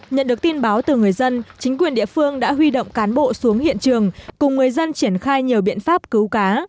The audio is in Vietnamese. nhận được tin báo từ người dân chính quyền địa phương đã huy động cán bộ xuống hiện trường cùng người dân triển khai nhiều biện pháp cứu cá